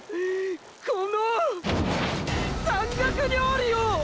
この山岳料理を！！